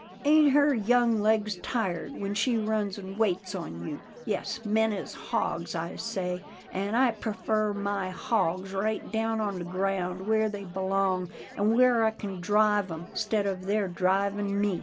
Ain't her young legs tired when she runs an' waits on you. Yes, men is hogs, I say, an' I prefers my hogs right down on the ground where they belong, an' where I kin drive 'em, 'stead of their drivin' me.